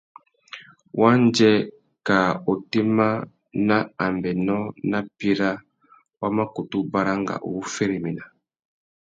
Wandjê, kā otémá, nà ambénô nà píra wa mà kutu baranga u wu féréména.